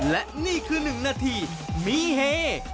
และนี่คือ๑นาทีมีเฮ